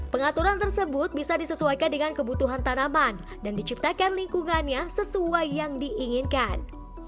pengaturan tersebut bisa disesuaikan dengan kebutuhan tanaman dan diciptakan lingkungannya sesuai yang diinginkan